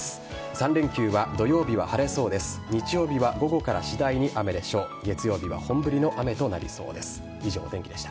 ３連休は土曜日は晴れそうです。